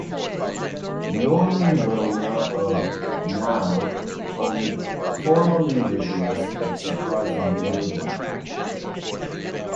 Norman Wilner of "Now" called it "formally rigorous but surprisingly moving".